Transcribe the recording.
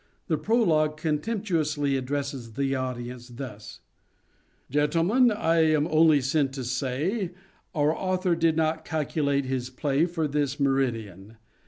The prologue contemptuously addresses the audience thus : Gentlemen, I am only sent to say Our author did not calculate his play For this meridian.